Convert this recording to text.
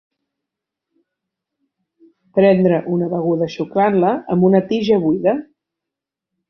Prendre una beguda xuclant-la amb una tija buida.